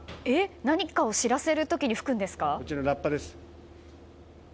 何かを知らせるときに吹くんですか。